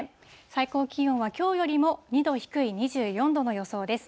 最高気温はきょうよりも２度低い２４度の予想です。